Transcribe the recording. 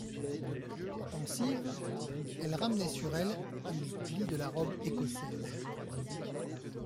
Pensive, elle ramenait sur elle les plis de la robe écossaise.